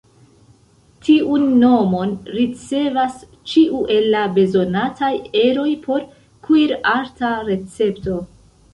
Tiun nomon ricevas ĉiu el la bezonataj eroj por kuir-arta recepto.